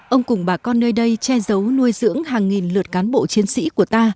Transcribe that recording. ông cùng bà con nơi đây che giấu nuôi dưỡng hàng nghìn lượt cán bộ chiến sĩ của ta